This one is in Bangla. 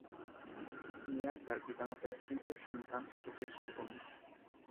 মিয়া তার পিতামাতার তৃতীয় সন্তান ও জ্যেষ্ঠ কন্যা।